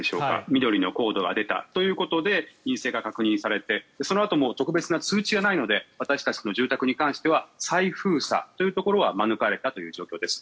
緑のコードが出たということで陰性が確認されてそのあとも特別な通知はないので私たちの住宅に関しては再封鎖ということは免れたという状況です。